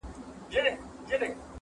o دصدقېجاريېزوردیتردېحدهپورې,